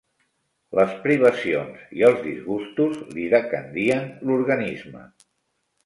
Les privacions i els disgustos li decandien l'organisme.